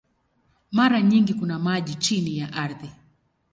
Mara nyingi kuna maji chini ya ardhi.